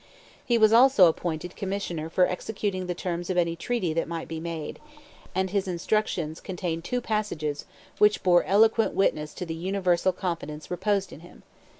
He was also appointed commissioner for executing the terms of any treaty that might be made; and his instructions contained two passages which bore eloquent witness to the universal confidence reposed in him.